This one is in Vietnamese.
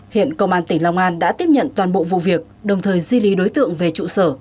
hiện công an tp hcm đã tiếp nhận toàn bộ vụ việc đồng thời di lý đối tượng về trụ sở